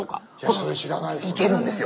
それ知らないですね。